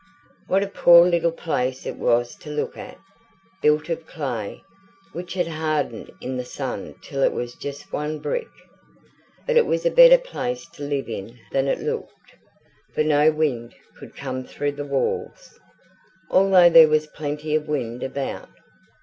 What a poor little place it was to look at built of clay, which had hardened in the sun till it was just one brick! But it was a better place to live in than it looked, for no wind could come through the walls, although there was plenty of wind about.